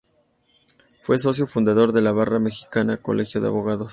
Fue socio fundador de la Barra Mexicana, Colegio de Abogados.